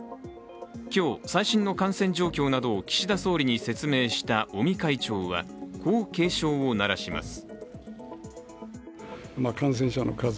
今日、最新の感染状況などを岸田総理に説明した尾身会長は、こう警鐘を鳴らします。